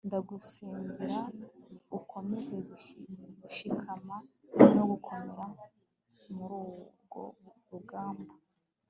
ndagusengera ukomeze gushikama no gukomera mururwo rugamba